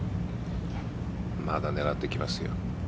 まだ狙ってきますよ。